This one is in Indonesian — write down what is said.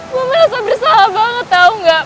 gue merasa bersalah banget tau gak